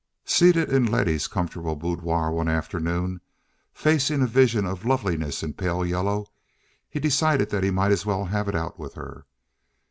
Seated in Letty's comfortable boudoir one afternoon, facing a vision of loveliness in pale yellow, he decided that he might as well have it out with her.